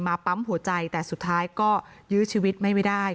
ปั๊มหัวใจแต่สุดท้ายก็ยื้อชีวิตไม่ได้